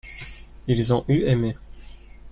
ils ont eu aimé.